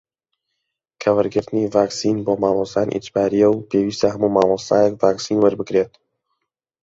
کە وەرگرتنی ڤاکسین بۆ مامۆستایان ئیجبارییە و پێویستە هەموو مامۆستایەک ڤاکسین وەربگرێت